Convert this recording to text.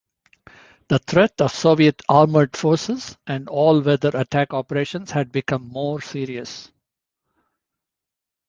The threat of Soviet armored forces and all-weather attack operations had become more serious.